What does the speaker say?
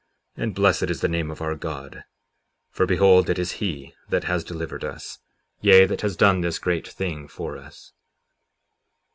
And blessed is the name of our God; for behold, it is he that has delivered us; yea, that has done this great thing for us.